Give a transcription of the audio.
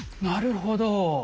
なるほど。